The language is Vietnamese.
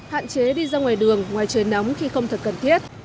hạn chế đi ra ngoài đường ngoài trời nóng khi không thật cần thiết